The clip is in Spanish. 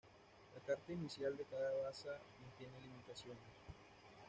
La carta inicial de cada baza no tiene limitaciones.